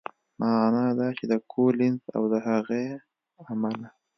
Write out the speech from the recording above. معنا دا چې کولینز او د هغې عمله